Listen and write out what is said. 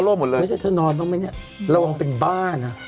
หมดเลยไม่ใช่เธอนอนบ้างไหมเนี่ยระวังเป็นบ้านะ